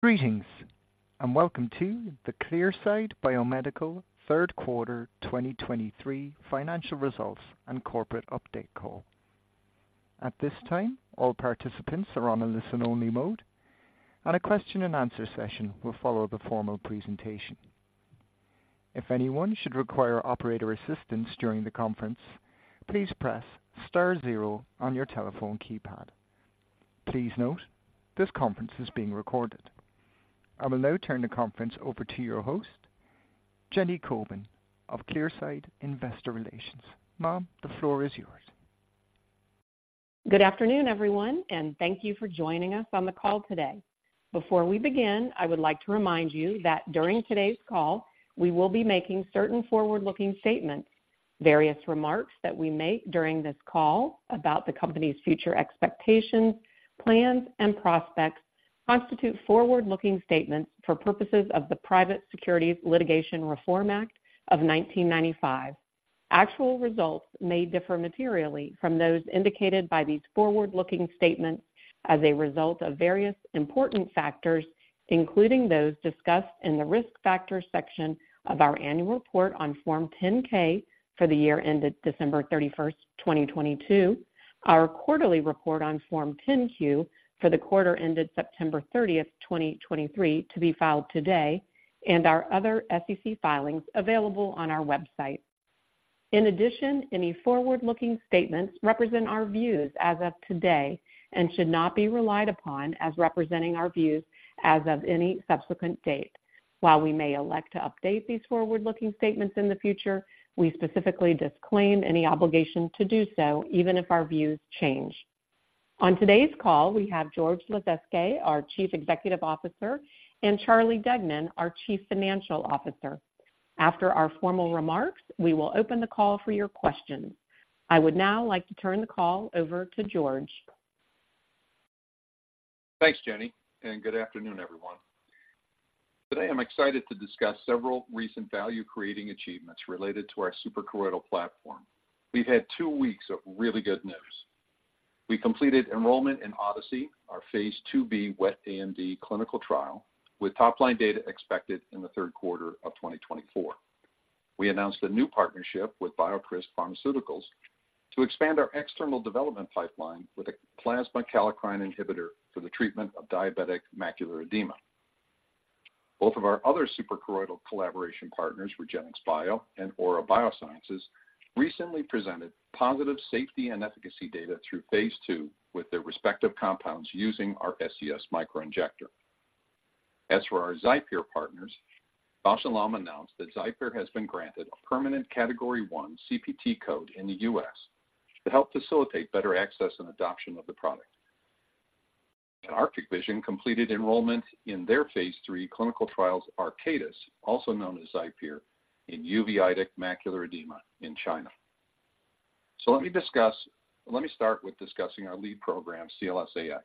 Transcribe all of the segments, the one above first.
Greetings, and welcome to the Clearside Biomedical Third Quarter 2023 Financial Results and Corporate Update Call. At this time, all participants are on a listen-only mode, and a question-and-answer session will follow the formal presentation. If anyone should require operator assistance during the conference, please press Star zero on your telephone keypad. Please note, this conference is being recorded. I will now turn the conference over to your host, Jenny Kobin of Clearside Investor Relations. Ma'am, the floor is yours. Good afternoon, everyone, and thank you for joining us on the call today. Before we begin, I would like to remind you that during today's call, we will be making certain forward-looking statements. Various remarks that we make during this call about the company's future expectations, plans, and prospects constitute forward-looking statements for purposes of the Private Securities Litigation Reform Act of 1995. Actual results may differ materially from those indicated by these forward-looking statements as a result of various important factors, including those discussed in the Risk Factors section of our annual report on Form 10-K for the year ended December 31, 2022, our quarterly report on Form 10-Q for the quarter ended September 30, 2023, to be filed today, and our other SEC filings available on our website. In addition, any forward-looking statements represent our views as of today and should not be relied upon as representing our views as of any subsequent date. While we may elect to update these forward-looking statements in the future, we specifically disclaim any obligation to do so, even if our views change. On today's call, we have George Lasezkay, our Chief Executive Officer, and Charlie Deignan, our Chief Financial Officer. After our formal remarks, we will open the call for your questions. I would now like to turn the call over to George. Thanks, Jenny, and good afternoon, everyone. Today, I'm excited to discuss several recent value-creating achievements related to our suprachoroidal platform. We've had two weeks of really good news. We completed enrollment in ODYSSEY, our Phase 2b wet AMD clinical trial, with top-line data expected in the third quarter of 2024. We announced a new partnership with BioCryst Pharmaceuticals to expand our external development pipeline with a plasma kallikrein inhibitor for the treatment of diabetic macular edema. Both of our other suprachoroidal collaboration partners, REGENXBIO and Aura Biosciences, recently presented positive safety and efficacy data through Phase 2 with their respective compounds using our SCS Microinjector. As for our XIPERE partners, Bausch + Lomb announced that XIPERE has been granted a permanent Category I CPT code in the U.S. to help facilitate better access and adoption of the product. Arctic Vision completed enrollment in their Phase 3 clinical trials, ARCATUS, also known as XIPERE, in uveitic macular edema in China. Let me start with discussing our lead program, CLS-AX.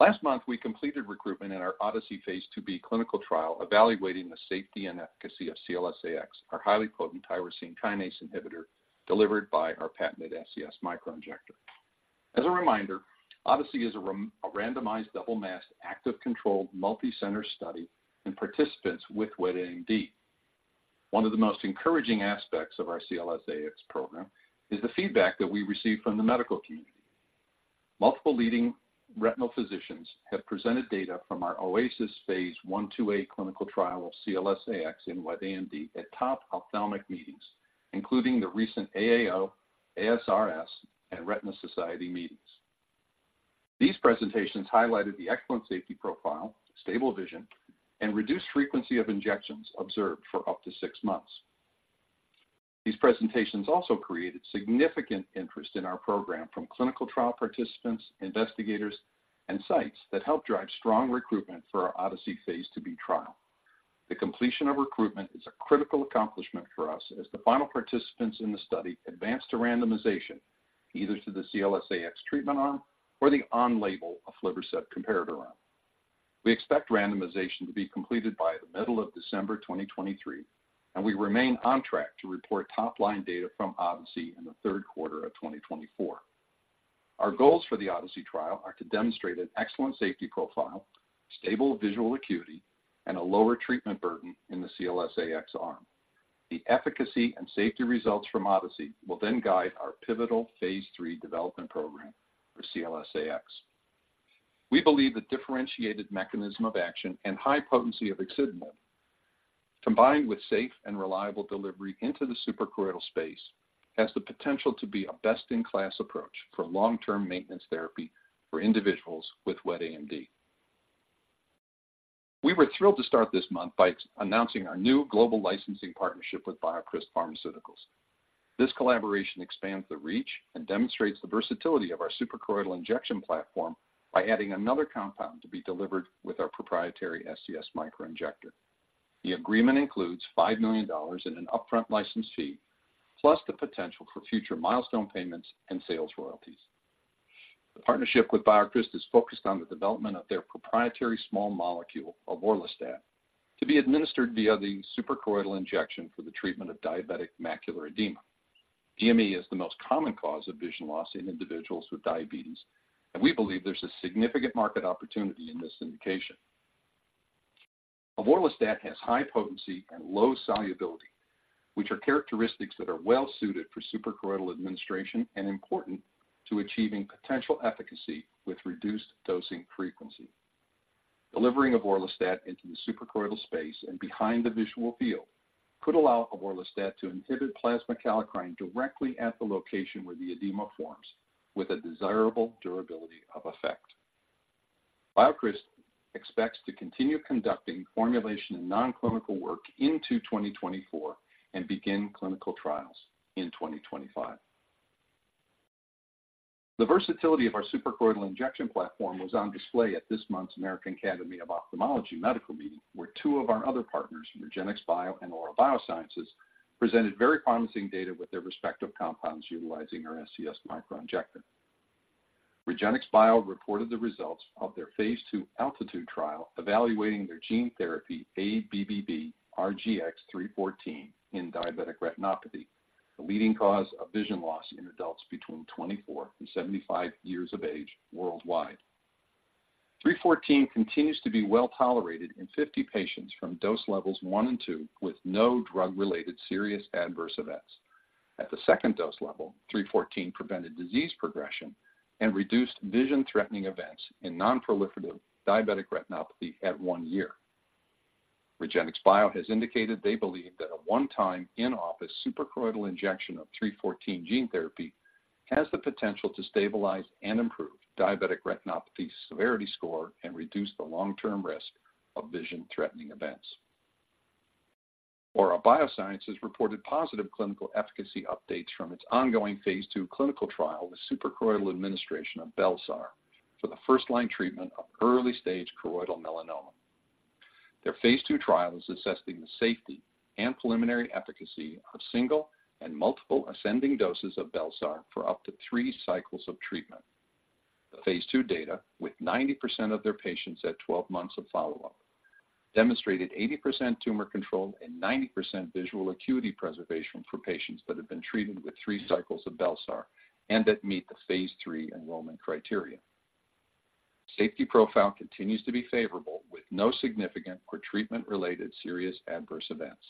Last month, we completed recruitment in our ODYSSEY Phase 2b clinical trial, evaluating the safety and efficacy of CLS-AX, our highly potent tyrosine kinase inhibitor, delivered by our patented SCS Microinjector. As a reminder, ODYSSEY is a randomized, double-masked, active-controlled, multicenter study in participants with wet AMD. One of the most encouraging aspects of our CLS-AX program is the feedback that we received from the medical community. Multiple leading retinal physicians have presented data from our OASIS Phase 1/2a clinical trial of CLS-AX in wet AMD at top ophthalmic meetings, including the recent AAO, ASRS, and Retina Society meetings. These presentations highlighted the excellent safety profile, stable vision, and reduced frequency of injections observed for up to six months. These presentations also created significant interest in our program from clinical trial participants, investigators, and sites that help drive strong recruitment for our ODYSSEY Phase 2b trial. The completion of recruitment is a critical accomplishment for us as the final participants in the study advance to randomization, either to the CLS-AX treatment arm or the on-label aflibercept comparator arm. We expect randomization to be completed by the middle of December 2023, and we remain on track to report top-line data from ODYSSEY in the third quarter of 2024. Our goals for the ODYSSEY trial are to demonstrate an excellent safety profile, stable visual acuity, and a lower treatment burden in the CLS-AX arm. The efficacy and safety results from ODYSSEY will then guide our pivotal Phase 3 development program for CLS-AX. We believe the differentiated mechanism of action and high potency of axitinib, combined with safe and reliable delivery into the suprachoroidal space, has the potential to be a best-in-class approach for long-term maintenance therapy for individuals with wet AMD. We were thrilled to start this month by announcing our new global licensing partnership with BioCryst Pharmaceuticals. This collaboration expands the reach and demonstrates the versatility of our suprachoroidal injection platform by adding another compound to be delivered with our proprietary SCS Microinjector. The agreement includes $5 million in an upfront license fee, plus the potential for future milestone payments and sales royalties. The partnership with BioCryst is focused on the development of their proprietary small molecule, avoralstat, to be administered via the suprachoroidal injection for the treatment of diabetic macular edema.... DME is the most common cause of vision loss in individuals with diabetes, and we believe there's a significant market opportunity in this indication. Avoralstat has high potency and low solubility, which are characteristics that are well-suited for suprachoroidal administration and important to achieving potential efficacy with reduced dosing frequency. Delivering avoralstat into the suprachoroidal space and behind the visual field could allow avoralstat to inhibit plasma kallikrein directly at the location where the edema forms, with a desirable durability of effect. BioCryst expects to continue conducting formulation and non-clinical work into 2024 and begin clinical trials in 2025. The versatility of our suprachoroidal injection platform was on display at this month's American Academy of Ophthalmology Medical Meeting, where two of our other partners, REGENXBIO and Aura Biosciences, presented very promising data with their respective compounds utilizing our SCS microinjector. REGENXBIO reported the results of their phase 2 ALTITUDE trial, evaluating their gene therapy, ABBV-RGX-314, in diabetic retinopathy, the leading cause of vision loss in adults between 24 and 75 years of age worldwide. 314 continues to be well-tolerated in 50 patients from dose levels 1 and 2, with no drug-related serious adverse events. At the second dose level, 314 prevented disease progression and reduced vision-threatening events in non-proliferative diabetic retinopathy at 1 year. REGENXBIO has indicated they believe that a one-time, in-office suprachoroidal injection of 314 gene therapy has the potential to stabilize and improve diabetic retinopathy severity score and reduce the long-term risk of vision-threatening events. Aura Biosciences reported positive clinical efficacy updates from its ongoing phase 2 clinical trial with suprachoroidal administration of bel-sar for the first-line treatment of early-stage choroidal melanoma. Their phase 2 trial is assessing the safety and preliminary efficacy of single and multiple ascending doses of bel-sar for up to 3 cycles of treatment. The phase 2 data, with 90% of their patients at 12 months of follow-up, demonstrated 80% tumor control and 90% visual acuity preservation for patients that have been treated with 3 cycles of bel-sar and that meet the phase 3 enrollment criteria. Safety profile continues to be favorable, with no significant or treatment-related serious adverse events.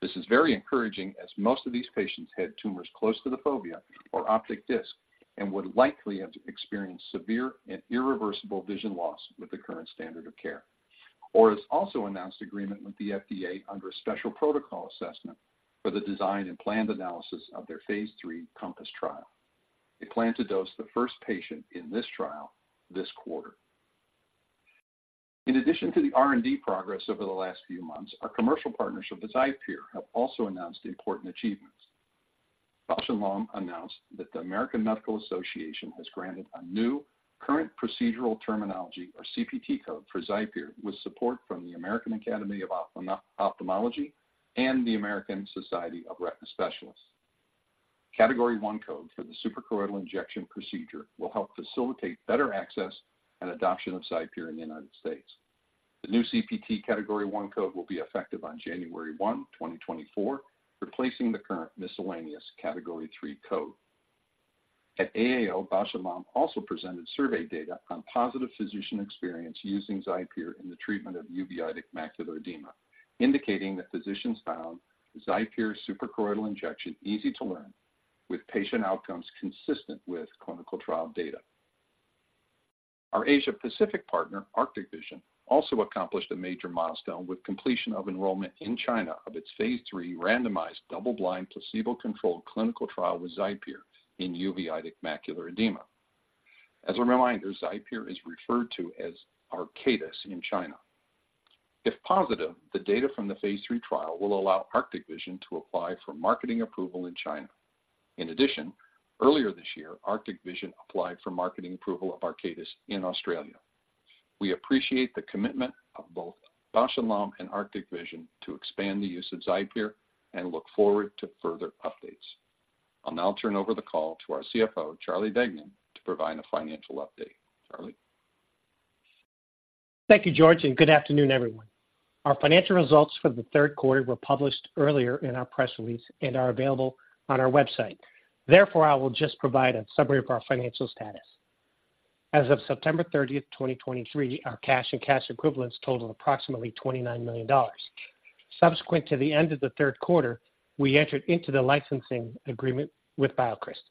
This is very encouraging, as most of these patients had tumors close to the fovea or optic disc and would likely have experienced severe and irreversible vision loss with the current standard of care. Aura has also announced agreement with the FDA under a special protocol assessment for the design and planned analysis of their phase 3 CoMpass trial. They plan to dose the first patient in this trial this quarter. In addition to the R&D progress over the last few months, our commercial partners of the XIPERE have also announced important achievements. Bausch + Lomb announced that the American Medical Association has granted a new current procedural terminology, or CPT code, for XIPERE, with support from the American Academy of Ophthalmology and the American Society of Retina Specialists. Category one code for the suprachoroidal injection procedure will help facilitate better access and adoption of XIPERE in the United States. The new CPT category 1 code will be effective on January 1, 2024, replacing the current miscellaneous Category III code. At AAO, Bausch + Lomb also presented survey data on positive physician experience using XIPERE in the treatment of uveitic macular edema, indicating that physicians found XIPERE suprachoroidal injection easy to learn, with patient outcomes consistent with clinical trial data. Our Asia Pacific partner, Arctic Vision, also accomplished a major milestone with completion of enrollment in China of its phase 3 randomized, double-blind, placebo-controlled clinical trial with XIPERE in uveitic macular edema. As a reminder, XIPERE is referred to as ARCATUS in China. If positive, the data from the phase 3 trial will allow Arctic Vision to apply for marketing approval in China. In addition, earlier this year, Arctic Vision applied for marketing approval of ARCATUS in Australia. We appreciate the commitment of both Bausch + Lomb and Arctic Vision to expand the use of XIPERE and look forward to further updates. I'll now turn over the call to our CFO, Charlie Deignan, to provide a financial update. Charlie? Thank you, George, and good afternoon, everyone. Our financial results for the third quarter were published earlier in our press release and are available on our website. Therefore, I will just provide a summary of our financial status. As of September 30, 2023, our cash and cash equivalents totaled approximately $29 million. Subsequent to the end of the third quarter, we entered into the licensing agreement with BioCryst.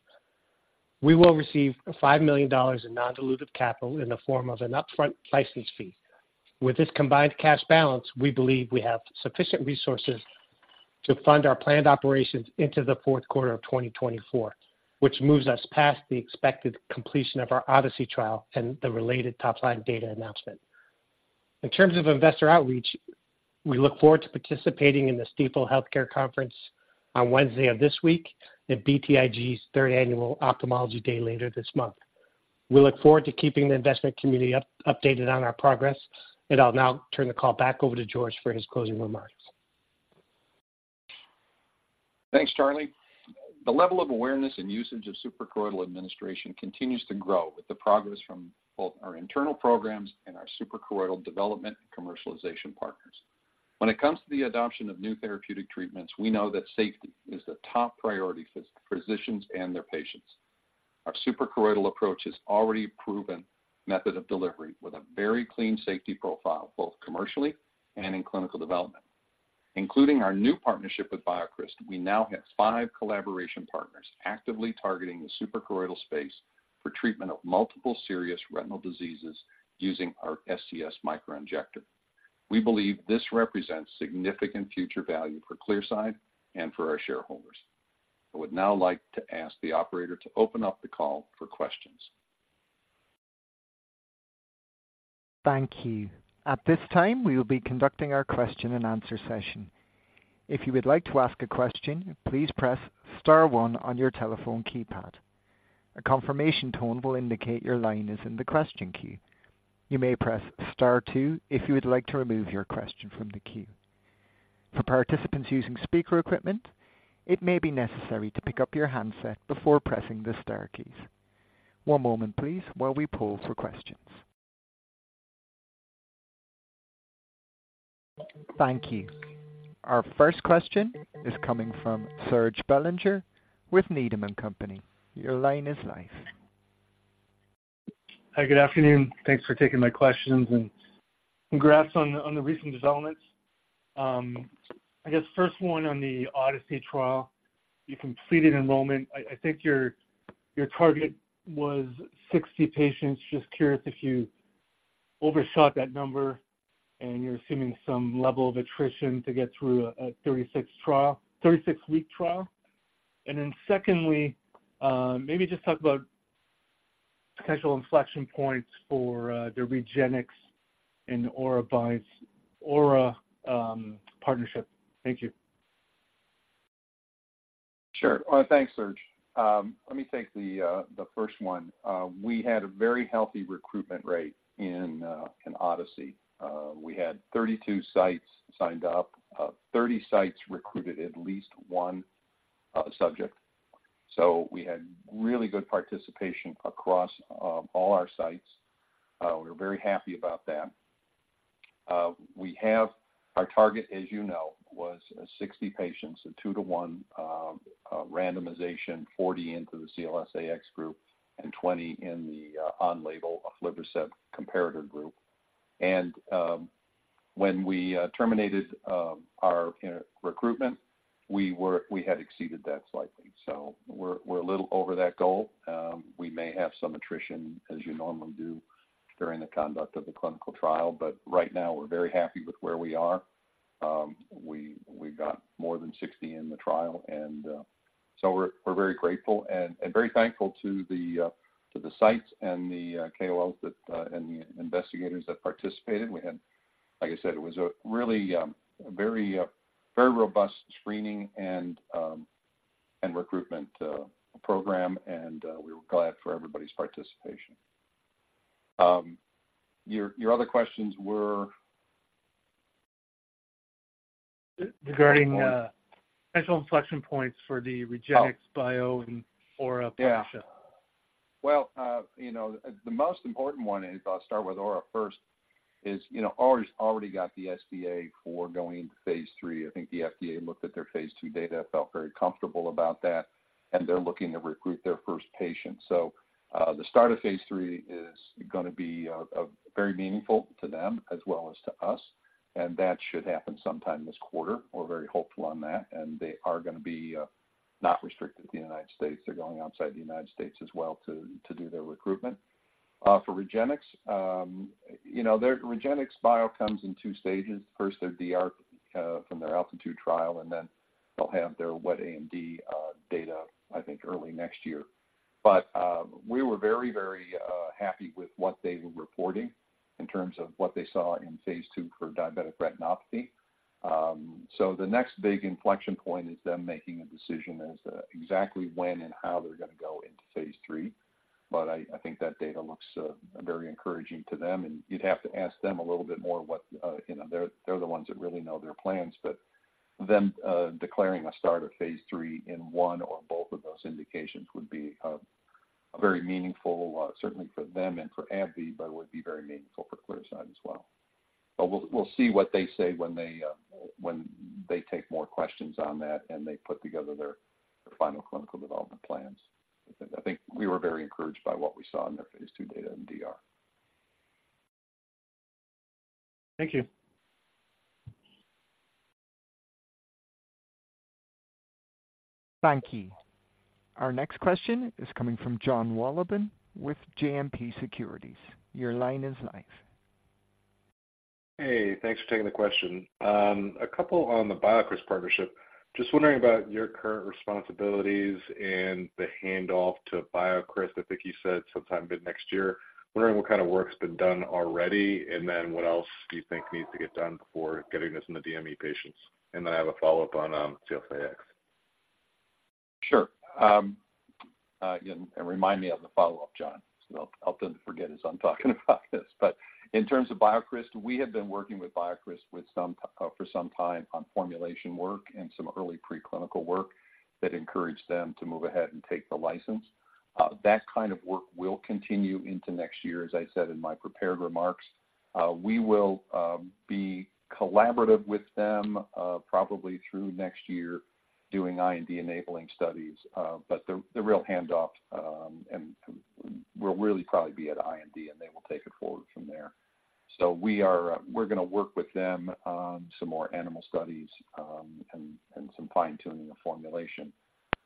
We will receive $5 million in non-dilutive capital in the form of an upfront license fee. With this combined cash balance, we believe we have sufficient resources to fund our planned operations into the fourth quarter of 2024, which moves us past the expected completion of our ODYSSEY trial and the related top-line data announcement. In terms of investor outreach, we look forward to participating in the Stifel Healthcare Conference on Wednesday of this week at BTIG's third annual Ophthalmology Day later this month. We look forward to keeping the investment community updated on our progress, and I'll now turn the call back over to George for his closing remarks. Thanks, Charlie. The level of awareness and usage of suprachoroidal administration continues to grow with the progress from both our internal programs and our suprachoroidal development and commercialization partners. When it comes to the adoption of new therapeutic treatments, we know that safety is a top priority for physicians and their patients. Our suprachoroidal approach is already a proven method of delivery, with a very clean safety profile, both commercially and in clinical development. Including our new partnership with BioCryst, we now have five collaboration partners actively targeting the suprachoroidal space for treatment of multiple serious retinal diseases using our SCS Microinjector. We believe this represents significant future value for Clearside and for our shareholders. I would now like to ask the operator to open up the call for questions. Thank you. At this time, we will be conducting our question and answer session. If you would like to ask a question, please press star one on your telephone keypad. A confirmation tone will indicate your line is in the question queue. You may press star two if you would like to remove your question from the queue. For participants using speaker equipment, it may be necessary to pick up your handset before pressing the star keys. One moment please, while we poll for questions. Thank you. Our first question is coming from Serge Belanger with Needham and Company. Your line is live. Hi, good afternoon. Thanks for taking my questions, and congrats on the recent developments. I guess first one on the ODYSSEY trial, you completed enrollment. I think your target was 60 patients. Just curious if you overshot that number and you're assuming some level of attrition to get through a 36-week trial? And then secondly, maybe just talk about potential inflection points for the REGENXBIO and Aura Biosciences partnership. Thank you. Sure. Thanks, Serge. Let me take the first one. We had a very healthy recruitment rate in ODYSSEY. We had 32 sites signed up. Thirty sites recruited at least one subject. So we had really good participation across all our sites. We were very happy about that. We have our target, as you know, was 60 patients, a 2:1 randomization, 40 into the CLS-AX group and 20 in the on-label Eylea comparator group. And, when we terminated our recruitment, we were- we had exceeded that slightly. So we're a little over that goal. We may have some attrition, as you normally do, during the conduct of the clinical trial, but right now we're very happy with where we are. We got more than 60 in the trial, and so we're very grateful and very thankful to the sites and the KOLs that and the investigators that participated. We had, like I said, it was a really very very robust screening and recruitment program, and we were glad for everybody's participation. Your other questions were? Regarding potential inflection points for the REGENXBIO and Aura partnership. Yeah. Well, you know, the most important one is, I'll start with Aura first, is, you know, Aura's already got the SPA for going into Phase 3 I think the FDA looked at their phase II data, felt very comfortable about that, and they're looking to recruit their first patient. So, the start of Phase 3 is gonna be very meaningful to them as well as to us, and that should happen sometime this quarter. We're very hopeful on that, and they are gonna be not restricted to the United States. They're going outside the United States as well to do their recruitment. For REGENXBIO, you know, their REGENXBIO comes in two stages. First, their DR from their ALTITUDE trial, and then they'll have their wet AMD data, I think, early next year. But, we were very, very, happy with what they were reporting in terms of what they saw in phase II for diabetic retinopathy. So the next big inflection point is them making a decision as to exactly when and how they're gonna go into phase III. But I, I think that data looks, very encouraging to them, and you'd have to ask them a little bit more what, you know, they're, they're the ones that really know their plans. But them, declaring a start of phase III in one or both of those indications would be, very meaningful, certainly for them and for AbbVie, but would be very meaningful for Clearside as well. But we'll, we'll see what they say when they, when they take more questions on that and they put together their final clinical development plans. I think we were very encouraged by what we saw in their Phase II data in DR. Thank you. Thank you. Our next question is coming from Jon Wolleben with JMP Securities. Your line is live. Hey, thanks for taking the question. A couple on the BioCryst partnership. Just wondering about your current responsibilities and the handoff to BioCryst. I think you said sometime mid-next year. Wondering what kind of work's been done already, and then what else do you think needs to get done before getting this in the DME patients? And then I have a follow-up on, CLS-AX. Sure. And remind me of the follow-up, John. So I'll forget as I'm talking about this. But in terms of BioCryst, we have been working with BioCryst with some, for some time on formulation work and some early preclinical work that encouraged them to move ahead and take the license. That kind of work will continue into next year. As I said in my prepared remarks, we will, be collaborative with them, probably through next year... doing IND enabling studies. But the, the real handoff, and will really probably be at IND, and they will take it forward from there. So we are, we're going to work with them on some more animal studies, and, and some fine-tuning the formulation.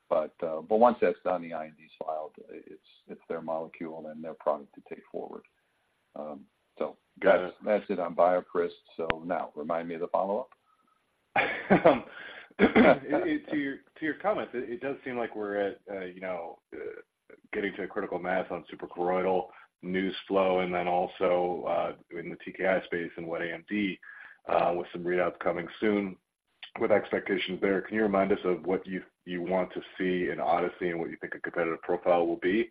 But, but once that's done, the IND's filed, it's, it's their molecule and their product to take forward. So got it. That's it on BioCryst. So now remind me of the follow-up. To your comment, it does seem like we're at, you know, getting to a critical mass on suprachoroidal news flow and then also in the TKI space and wet AMD with some readouts coming soon. With expectations there, can you remind us of what you want to see in ODYSSEY and what you think a competitive profile will be?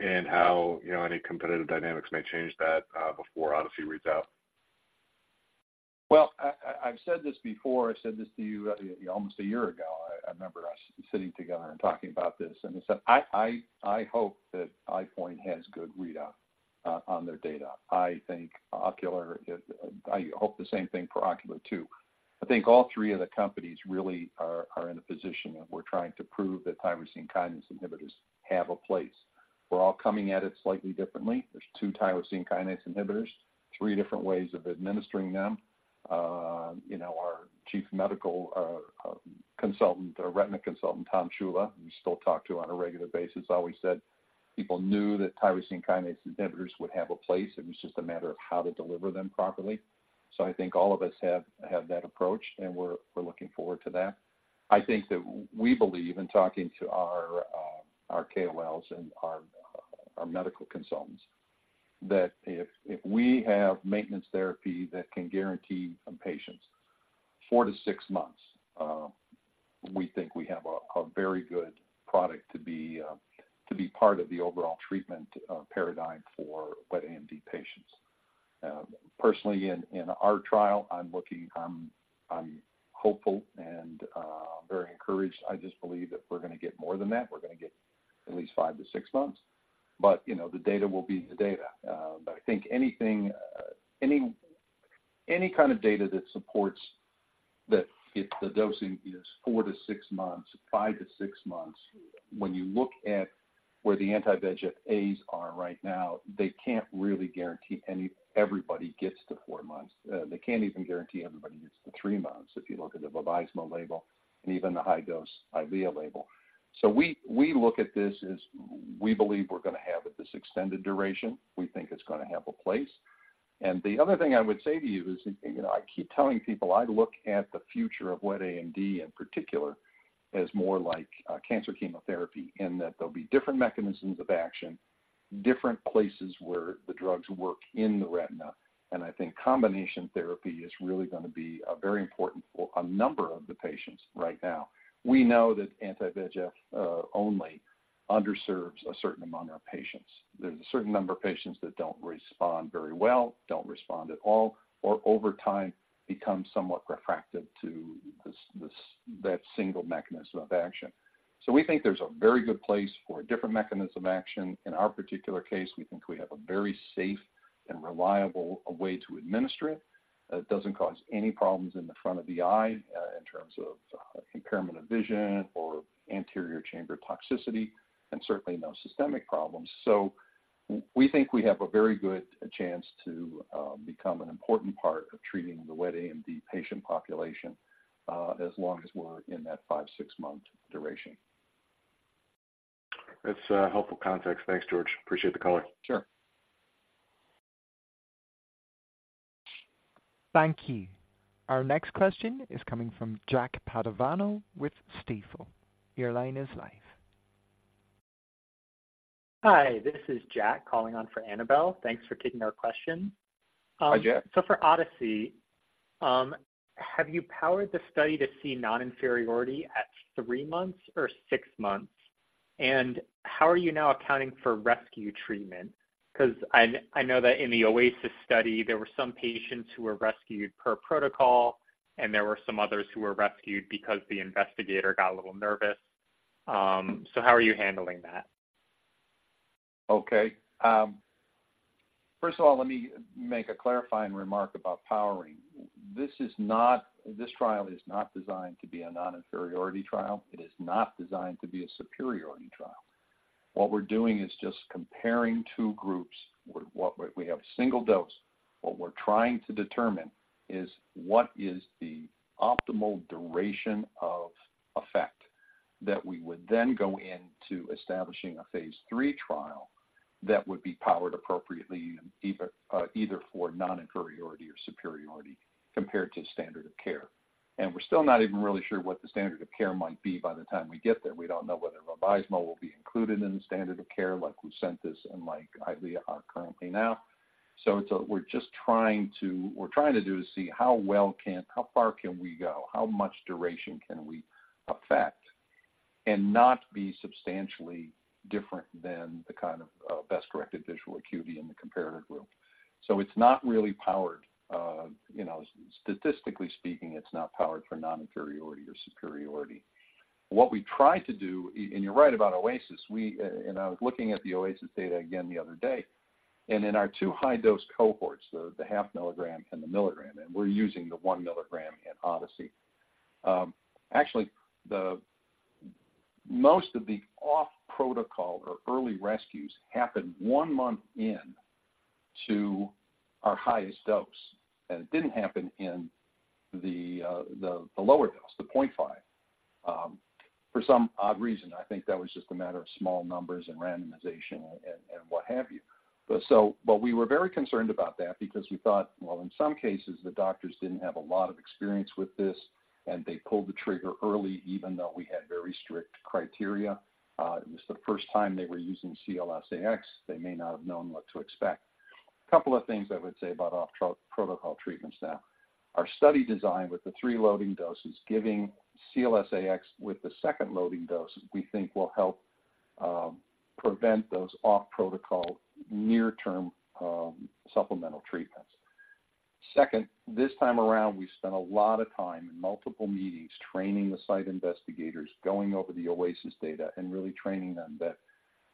And how, you know, any competitive dynamics may change that before ODYSSEY reads out? Well, I've said this before. I said this to you almost a year ago. I remember us sitting together and talking about this, and I said, I hope that EyePoint has good readout on their data. I think Ocular, I hope the same thing for Ocular, too. I think all three of the companies really are in a position of we're trying to prove that tyrosine kinase inhibitors have a place. We're all coming at it slightly differently. There's two tyrosine kinase inhibitors, three different ways of administering them. You know, our chief medical consultant, our retina consultant, Tom Ciulla, we still talk to on a regular basis, always said people knew that tyrosine kinase inhibitors would have a place. It was just a matter of how to deliver them properly. So I think all of us have that approach, and we're looking forward to that. I think that we believe in talking to our KOLs and our medical consultants that if we have maintenance therapy that can guarantee patients 4-6 months, we think we have a very good product to be part of the overall treatment paradigm for wet AMD patients. Personally, in our trial, I'm looking. I'm hopeful and very encouraged. I just believe that we're going to get more than that. We're going to get at least 5-6 months, but you know, the data will be the data. But I think anything, any kind of data that supports that if the dosing is 4-6 months, 5-6 months, when you look at where the anti-VEGFs are right now, they can't really guarantee anybody gets to 4 months. They can't even guarantee everybody gets to 3 months if you look at the Vabysmo label and even the high-dose Eylea label. So we look at this as we believe we're going to have this extended duration. We think it's going to have a place. And the other thing I would say to you is, you know, I keep telling people, I look at the future of wet AMD, in particular, as more like a cancer chemotherapy, in that there'll be different mechanisms of action, different places where the drugs work in the retina. And I think combination therapy is really going to be very important for a number of the patients right now. We know that anti-VEGF only underserves a certain amount of patients. There's a certain number of patients that don't respond very well, don't respond at all, or over time, become somewhat refractive to that single mechanism of action. So we think there's a very good place for a different mechanism of action. In our particular case, we think we have a very safe and reliable way to administer it. It doesn't cause any problems in the front of the eye, in terms of impairment of vision or anterior chamber toxicity, and certainly no systemic problems. So we think we have a very good chance to become an important part of treating the wet AMD patient population, as long as we're in that 5-6-month duration. That's helpful context. Thanks, George. Appreciate the call. Sure. Thank you. Our next question is coming from Jack Padovano with Stifel. Your line is live. Hi, this is Jack calling on for Annabel Thanks for taking our question. Hi, Jack. So for ODYSSEY, have you powered the study to see non-inferiority at three months or six months? And how are you now accounting for rescue treatment? Because I, I know that in the OASIS study, there were some patients who were rescued per protocol, and there were some others who were rescued because the investigator got a little nervous. So how are you handling that? Okay. First of all, let me make a clarifying remark about powering. This is not. This trial is not designed to be a non-inferiority trial. It is not designed to be a superiority trial. What we're doing is just comparing two groups. We have a single dose. What we're trying to determine is what is the optimal duration of effect that we would then go into establishing a phase 3 trial that would be powered appropriately, either for non-inferiority or superiority compared to standard of care. And we're still not even really sure what the standard of care might be by the time we get there. We don't know whether Vabysmo will be included in the standard of care, like Lucentis and like Eylea are currently now. So it's a... We're just trying to do is see how well can, how far can we go, how much duration can we affect and not be substantially different than the kind of best-corrected visual acuity in the comparator group. So it's not really powered, you know, statistically speaking, it's not powered for non-inferiority or superiority. What we try to do, and you're right about OASIS. We, and I was looking at the OASIS data again the other day. And in our 2 high-dose cohorts, the 0.5 milligram and the 1 milligram, and we're using the 1 milligram in ODYSSEY. Actually, most of the off-protocol or early rescues happened 1 month into our highest dose, and it didn't happen in the lower dose, the 0.5, for some odd reason. I think that was just a matter of small numbers and randomization and, and what have you. But so, but we were very concerned about that because we thought, well, in some cases the doctors didn't have a lot of experience with this, and they pulled the trigger early, even though we had very strict criteria. It was the first time they were using CLS-AX. They may not have known what to expect. A couple of things I would say about off-protocol treatments now. Our study design with the three loading doses, giving CLS-AX with the second loading dose, we think will help prevent those off-protocol, near-term, supplemental treatments. Second, this time around, we spent a lot of time in multiple meetings, training the site investigators, going over the OASIS data and really training them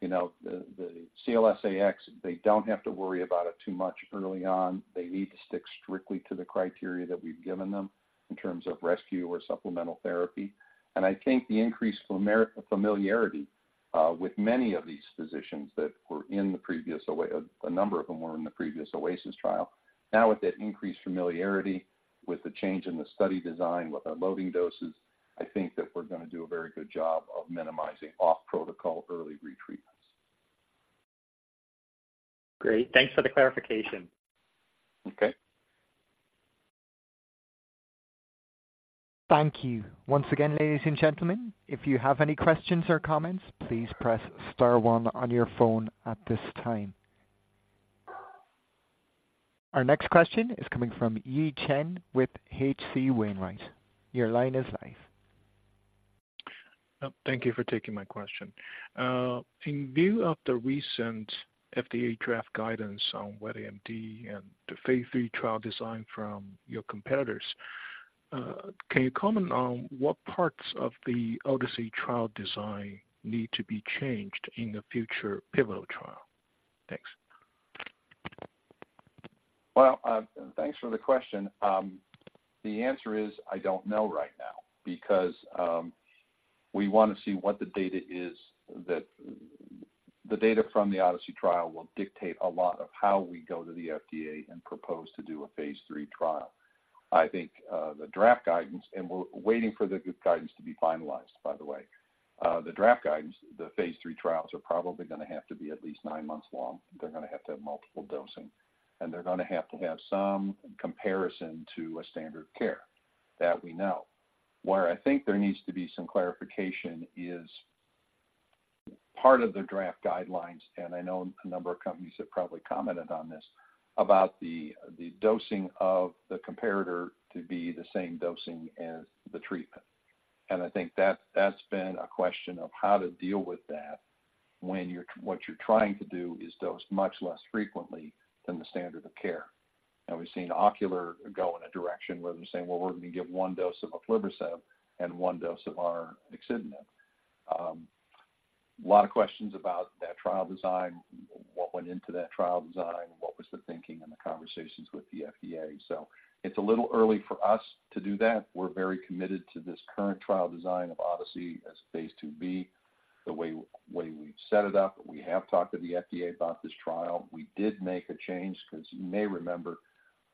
that, you know, the CLS-AX, they don't have to worry about it too much early on. They need to stick strictly to the criteria that we've given them in terms of rescue or supplemental therapy. And I think the increased familiarity with many of these physicians that were in the previous OASIS trial. A number of them were in the previous OASIS trial. Now, with that increased familiarity, with the change in the study design, with our loading doses, I think that we're gonna do a very good job of minimizing off-protocol, early retreatments. Great. Thanks for the clarification. Okay. Thank you. Once again, ladies and gentlemen, if you have any questions or comments, please press star one on your phone at this time. Our next question is coming from Yi Chen with H.C. Wainwright. Your line is live. Thank you for taking my question. In view of the recent FDA draft guidance on wet AMD and the phase 3 trial design from your competitors, can you comment on what parts of the ODYSSEY trial design need to be changed in the future pivotal trial? Thanks. Well, thanks for the question. The answer is I don't know right now, because we want to see what the data is, that the data from the ODYSSEY trial will dictate a lot of how we go to the FDA and propose to do a phase 3 trial. I think the draft guidance, and we're waiting for the good guidance to be finalized, by the way. The draft guidance, the phase 3 trials, are probably gonna have to be at least nine months long. They're gonna have to have multiple dosing, and they're gonna have to have some comparison to a standard of care. That we know. Where I think there needs to be some clarification is part of the draft guidelines, and I know a number of companies have probably commented on this, about the dosing of the comparator to be the same dosing as the treatment. And I think that's been a question of how to deal with that when what you're trying to do is dose much less frequently than the standard of care. Now, we've seen Ocular go in a direction where they're saying, "Well, we're going to give one dose of aflibercept and one dose of our axitinib" A lot of questions about that trial design, what went into that trial design, what was the thinking and the conversations with the FDA. So it's a little early for us to do that. We're very committed to this current trial design of ODYSSEY as a phase 2b, the way we've set it up. We have talked to the FDA about this trial. We did make a change because you may remember,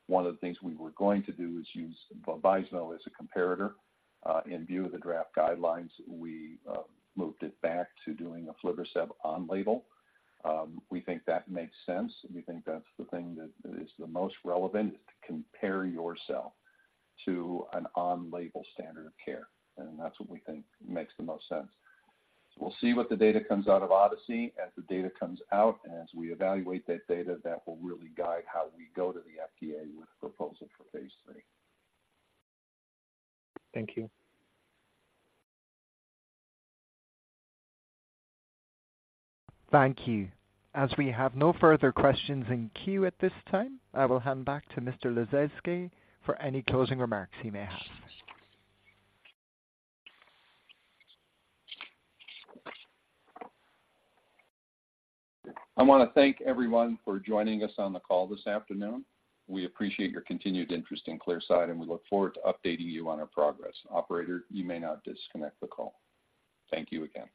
one of the things we were going to do is use Vabysmo as a comparator. In view of the draft guidelines, we moved it back to doing aflibercept on label. We think that makes sense, and we think that's the thing that is the most relevant, is to compare yourself to an on-label standard of care, and that's what we think makes the most sense. So we'll see what the data comes out of ODYSSEY. As the data comes out and as we evaluate that data, that will really guide how we go to the FDA with a proposal for phase 3. Thank you. Thank you. As we have no further questions in queue at this time, I will hand back to Mr. Lasezkay for any closing remarks he may have. I want to thank everyone for joining us on the call this afternoon. We appreciate your continued interest in Clearside, and we look forward to updating you on our progress. Operator, you may now disconnect the call. Thank you again.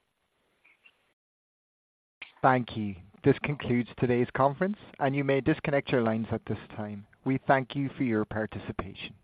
Thank you. This concludes today's conference, and you may disconnect your lines at this time. We thank you for your participation.